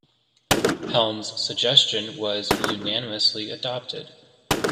Helm's suggestion was unanimously adopted.